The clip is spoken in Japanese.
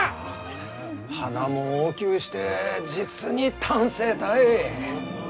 花も大きゅうして実に端正たい！